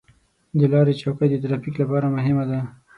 د لارې چوکۍ د ترافیک لپاره مهمه ده.